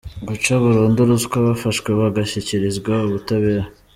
Guca burundu ruswa abafashwe bagashyikirizwa ubutabera.